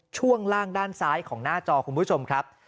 ช่วงล่างด้านซ้ายของหน้าจอคุณผู้ชมครับ